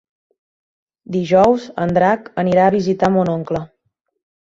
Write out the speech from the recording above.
Dijous en Drac anirà a visitar mon oncle.